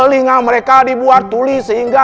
telinga mereka dibuat tuli sehingga